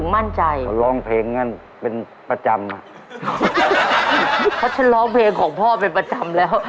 มั่นใจหรือเปล่า